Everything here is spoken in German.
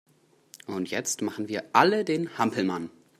Und jetzt machen wir alle den Hampelmann!